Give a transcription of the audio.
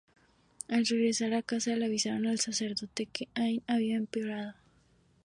Al regresar a casa, le avisaron al sacerdote que Ann había empeorado.